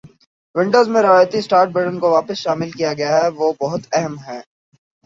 Windows میں روایتی start button کو واپس شامل کیا گیا ہے وہ بہت أہم ہیں